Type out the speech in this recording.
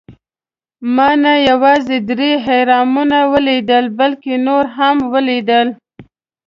ما نه یوازې درې اهرامونه ولیدل، بلکې نور یې هم ولېدل.